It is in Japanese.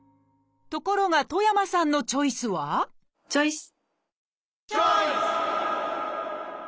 ところが戸山さんのチョイスはチョイス！